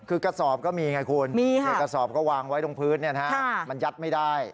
คือกระสอบก็มีไงคุณกระสอบก็วางไว้ตรงพื้นมันยัดไม่ได้